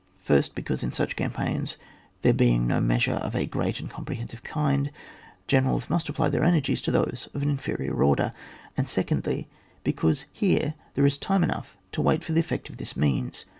Firstly, because in such campaigns, there being no measures of a great and comprehensive kind, generals must apply their energies to those of an inferior order; and secondly, because here there is time enough to wait for the effect of this means.